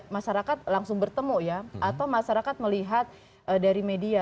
masyarakat langsung bertemu ya atau masyarakat melihat dari media